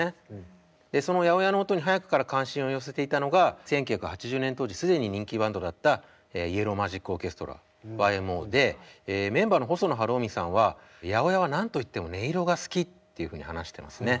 でその８０８の音に早くから関心を寄せていたのが１９８０年当時既に人気バンドだったイエロー・マジック・オーケストラＹＭＯでメンバーの細野晴臣さんは８０８は何と言っても音色が好きっていうふうに話してますね。